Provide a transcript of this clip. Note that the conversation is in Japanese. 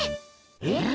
えっ？